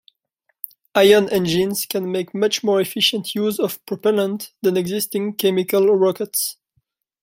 Ion engines can make much more efficient use of propellant than existing chemical rockets.